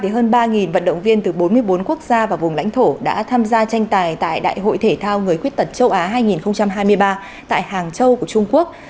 hơn ba vận động viên từ bốn mươi bốn quốc gia và vùng lãnh thổ đã tham gia tranh tài tại đại hội thể thao người khuyết tật châu á hai nghìn hai mươi ba tại hàng châu của trung quốc